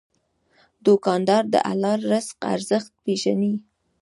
دوکاندار د حلال رزق ارزښت پېژني.